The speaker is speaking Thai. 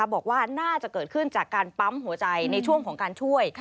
บอกว่าน่าจะเกิดขึ้นจากการปั๊มหัวใจในช่วงของการช่วย